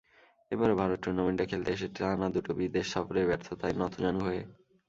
এবারও ভারত টুর্নামেন্টটা খেলতে এসেছে টানা দুটো বিদেশ সফরে ব্যর্থতায় নতজানু হয়ে।